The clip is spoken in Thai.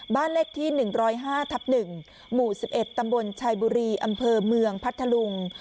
บ้านเลขที่หนึ่งร้อยห้าทับหนึ่งหมู่สิบเอ็ดตำบลชายบุรีอำเภอเมืองพัทธลุง